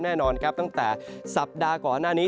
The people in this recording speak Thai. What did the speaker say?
แน่นอนครับตั้งแต่สัปดาห์ก่อนหน้านี้